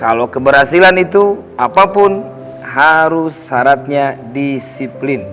hai kalau keberhasilan itu apapun harus syaratnya disiplin